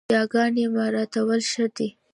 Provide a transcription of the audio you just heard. ياګاني مراعتول ښه دي